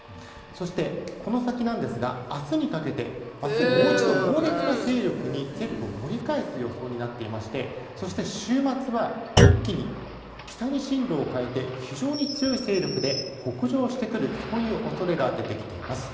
そして、この先ですが明日にかけて明日、もう一度猛烈な勢力に勢力を盛り返す予想になっていましてそして、週末は一気に北に進路を変えて非常に強い勢力で北上してくる恐れが出てきています。